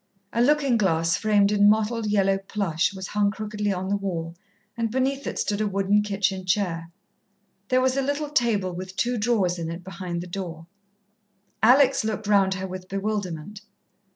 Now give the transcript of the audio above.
A looking glass framed in mottled yellow plush was hung crookedly on the wall, and beneath it stood a wooden kitchen chair. There was a little table with two drawers in it behind the door. Alex looked round her with bewilderment.